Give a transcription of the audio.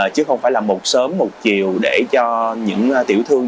chứ không phải là một sớm một chiều để cho những tiểu thương